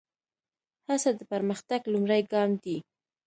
هڅه د پرمختګ لومړی ګام دی.